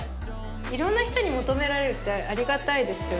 いろんな人に求められるってありがたいですよね。